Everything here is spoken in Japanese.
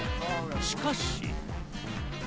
しかし。